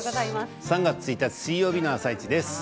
３月１日水曜日の「あさイチ」です。